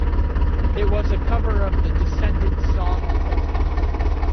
It was a cover of the Descendants song "Hope".